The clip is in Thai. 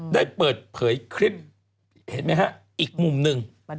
ได้เปิดเผยคลิปเห็นมั้ยคะอีกมุมนึง